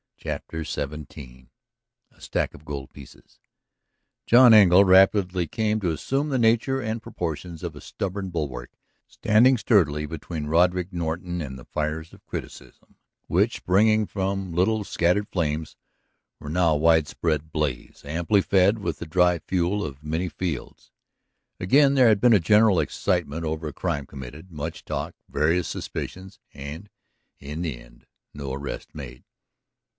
CHAPTER XVII A STACK OF GOLD PIECES John Engle rapidly came to assume the nature and proportions of a stubborn bulwark standing sturdily between Roderick Norton and the fires of criticism, which, springing from little, scattered flames were now a wide spread blaze amply fed with the dry fuel of many fields. Again there had been a general excitement over a crime committed, much talk, various suspicions, and, in the end, no arrest made.